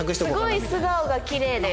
すごい素顔がキレイです。